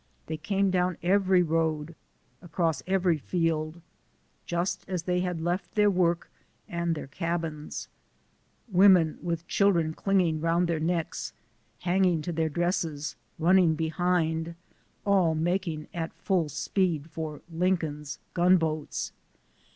They came down every road, across every field, just as they had left their work and their cabins; women with children clinging around their necks, hanging to their dresses, running behind, all mak ing at full speed for " Lincoln's gun boats."